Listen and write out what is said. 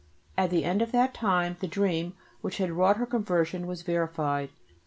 At the end of that time the dream which had wrought her conversion was verified.